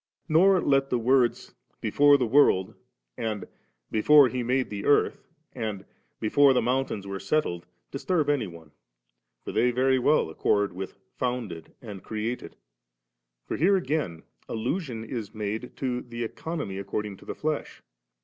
75. Nor let the words * before the world ' and ' before He made the earth ' and ' before the mountains were settled ' disturb any one ; for they very well accord with * founded ' and * created;' for here again allusion is made to the Economy according to the flesh.